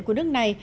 của nước này